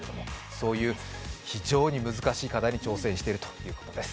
そういう非常に難しい戦いに挑戦しているということです。